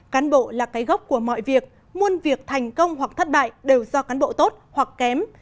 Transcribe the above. cán bộ là cái gốc của mọi việc muôn việc thành công hoặc thất bại đều do cán bộ tốt hoặc kém